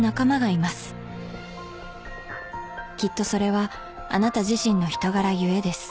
「きっとそれはあなた自身の人柄故です」